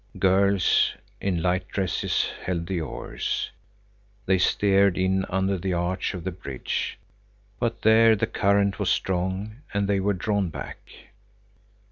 Girls in light dresses held the oars. They steered in under the arch of the bridge, but there the current was strong and they were drawn back.